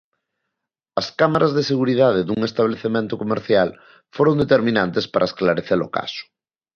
As cámaras de seguridade dun establecemento comercial foron determinantes para esclarecer o caso.